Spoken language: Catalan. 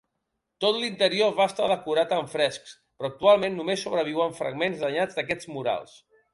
Tot l'interior va estar decorat amb frescs, però actualment només sobreviuen fragments danyats d'aquests murals.